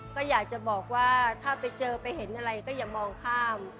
ก็อยากจะบอกว่าถ้าไปเจอไปเห็นอะไรก็อย่ามองข้าม